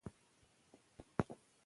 د کورني نظم ساتنه د ټولو دنده ده.